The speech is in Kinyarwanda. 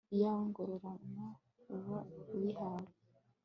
iyawe ngororano uba uyihawe